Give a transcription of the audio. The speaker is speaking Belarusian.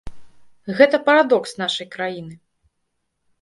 Гэта парадокс нашай краіны.